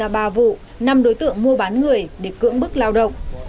bà vũ năm đối tượng mua bán người để cưỡng bức lao động